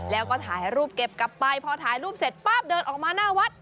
แล้วก็ถ่ายรูปเก็บกลับไปพอถ่ายรูปเสร็จป๊าบเดินออกมาหน้าวัด